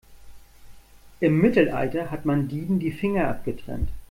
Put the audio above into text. Im Mittelalter hat man Dieben die Finger abgetrennt.